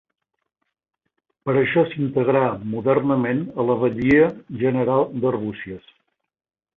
Per això s'integrà modernament a la batllia general d'Arbúcies.